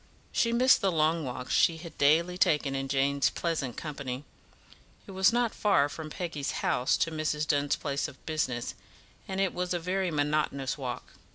She missed the long walks she had daily taken in Jane's pleasant company. It was not far from Peggy's house to Mrs. Dunn's place of business, and it was a very monotonous walk.